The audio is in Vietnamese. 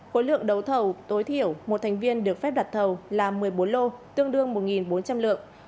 khối lượng đấu thầu tối thiểu một thành viên được phép đặt thầu là một mươi bốn lô tương đương một bốn trăm linh lượng